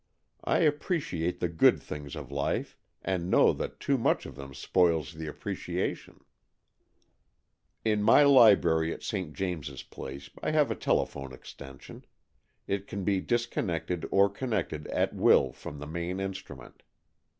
I appreciate the good things of life, and know that too much of them spoils the appreciation. AN EXCHANGE OF SOULS 237 In my library at St. James's Place I have a telephone extension. It can be discon nected or connected at will from the main instrument.